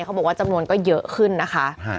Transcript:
เขาบอกว่าจำนวนก็เยอะขึ้นนะคะ